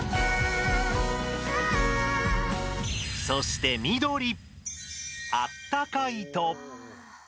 そして緑！